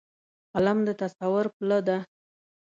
قلم د تصور پله ده